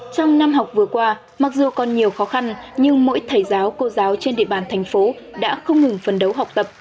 trong năm học vừa qua mặc dù còn nhiều khó khăn nhưng mỗi thầy giáo cô giáo trên địa bàn thành phố đã không ngừng phấn đấu học tập